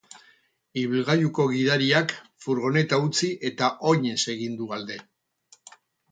Ibilgailuko gidariak furgoneta utzi eta oinez egin du alde.